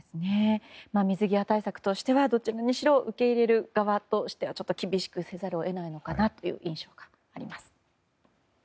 水際対策としてはどちらにしても受け入れる側としては厳しくせざるを得ないかなという印象があります。